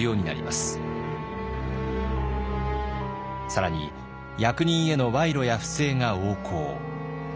更に役人への賄賂や不正が横行。